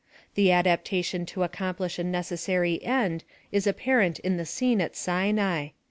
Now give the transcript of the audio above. The adaptation to accomplish a necessary end is apparent in the scene at Sinai.